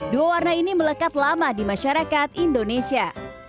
dua warna ini melekat lama di masyarakat indonesia